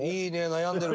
悩んでる。